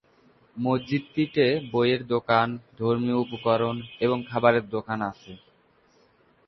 মসজিদটিতে বইয়ের দোকান, ধর্মীয় উপকরণ এবং খাবারের দোকান আছে।